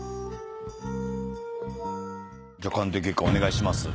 鑑定結果お願いします。